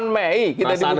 delapan mei kita dibubarkan